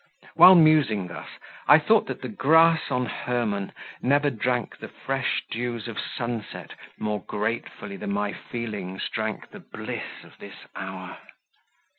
While musing thus, I thought that the grass on Hermon never drank the fresh dews of sunset more gratefully than my feelings drank the bliss of this hour.